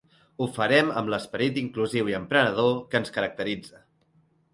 Ho farem amb l'esperit inclusiu i emprenedor que ens caracteritza.